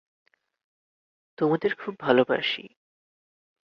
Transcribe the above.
তোমাদের খুব ভালবাসি।